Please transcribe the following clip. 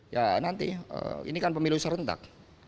ya nanti ini kan pemilu serentak